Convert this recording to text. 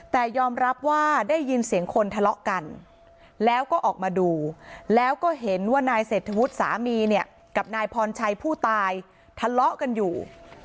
แต่ยอมรับว่าได้ยินเสียงคนทะเลาะกันแล้วก็ออกมาดูแล้วก็เห็นว่านายเศรษฐวุฒิสามีเนี่ยกับนายพรชัยผู้ตายทะเลาะกันอยู่